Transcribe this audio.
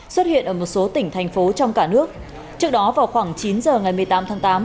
xuất hiện ở một số tỉnh thành phố trong cả nước trước đó vào khoảng chín giờ ngày một mươi tám tháng tám